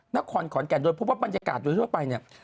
นครขอนแก่นโดยพบว่าบรรยากาศโดยทั่วไปเนี่ย